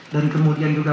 dan kemudian juga